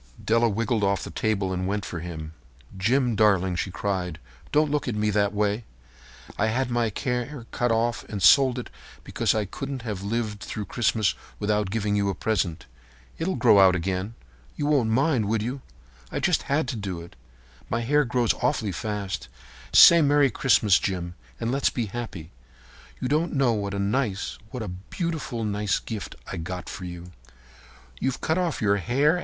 Della wriggled off the table and went for him. "Jim, darling," she cried, "don't look at me that way. I had my hair cut off and sold because I couldn't have lived through Christmas without giving you a present. It'll grow out again—you won't mind, will you? I just had to do it. My hair grows awfully fast. Say 'Merry Christmas!' Jim, and let's be happy. You don't know what a nice—what a beautiful, nice gift I've got for you." "You've cut off your hair?"